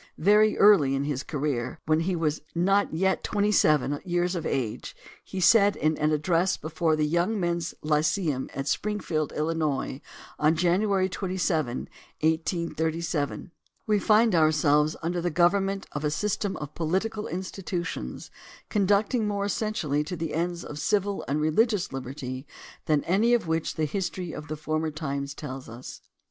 Very early in his career, when he was not yet twenty seven years of age, he said in an address before the Young Men's Lyceum at Spring field, Illinois, on January 27, 1837: We find ourselves under the government of a system of political institutions conducing more essentially to the ends of civil and religious liberty than any of which the history of former times tells us.